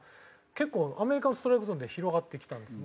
結構アメリカのストライクゾーン広がってきたんですよ。